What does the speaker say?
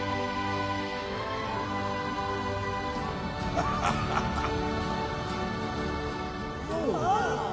ハハハハハ！